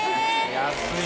安い！